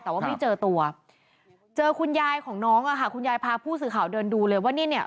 แต่ว่าไม่เจอตัวเจอคุณยายของน้องอะค่ะคุณยายพาผู้สื่อข่าวเดินดูเลยว่าเนี่ยเนี่ย